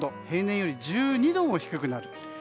平年よりも１２度も低くなる。